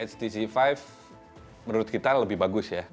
htc lima menurut kita lebih bagus ya